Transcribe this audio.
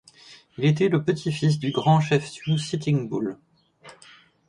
Il était le petit-fils du grand chef sioux Sitting Bull.